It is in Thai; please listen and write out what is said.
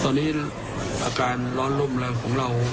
ตอนนี้อาการร้อนรุ่นเราของเรา